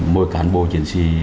mỗi cán bộ chiến sĩ